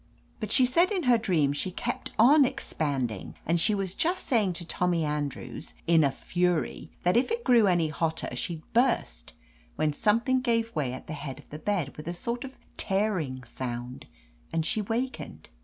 But she said in her dream she kept on expanding, and she was just saying to Tommy Andrews, in a fury, that if it grew any hotter she'd burst, when something gave way at the head of the bed with a sort of tearing soimd, and she wakened.